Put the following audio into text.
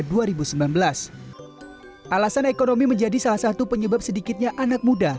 pada dua ribu sembilan belas alasan ekonomi menjadi salah satu penyebab sedikitnya anak muda